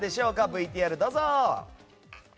ＶＴＲ、どうぞ。